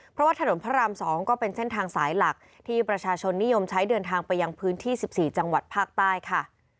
เพราะว่าถนนพระราม๒ก็เป็นเส้นทางสายหลักที่ประชาชนนิยมใช้เดินทางไปยังพื้นที่๑๔จังหวัดภาคใต้ค่ะ